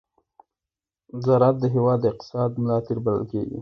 زراعت د هېواد د اقتصاد ملا تېر بلل کېږي.